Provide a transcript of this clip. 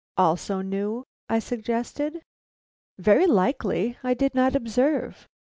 "Also new?" I suggested. "Very likely; I did not observe."